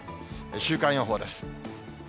週間予報です。